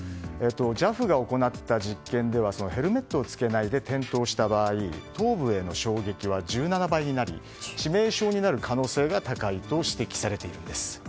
ＪＡＦが行った実験ではヘルメットを着けず転倒した場合頭部への衝撃は１７倍になり致命傷になる可能性が高いと指摘されているんです。